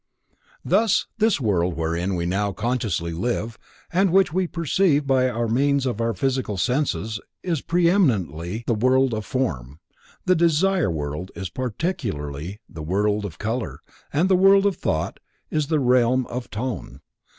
Thus this world wherein we now consciously live and which we perceive by means of our physical senses is preeminently the world of form, the Desire World is particularly the world of color and the World of Thought is the realm of tone.